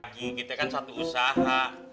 pak ji kita kan satu usaha